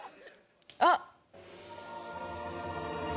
あっ。